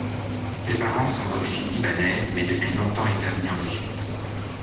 Ces parents sont d'origine libanaise, mais depuis longtemps établis en Égypte.